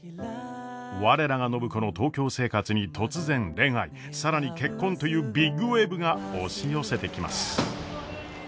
我らが暢子の東京生活に突然恋愛更に結婚というビッグウエーブが押し寄せてきます。